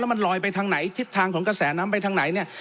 มันลอยไปทางไหนทิศทางของกระแสน้ำไปทางไหนเนี่ย